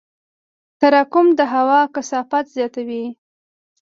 تراکم د هوا کثافت زیاتوي.